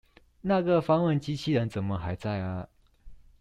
那個發問機器人怎麼還在阿